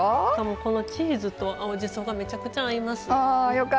このチーズと青じそがめちゃくちゃ合います。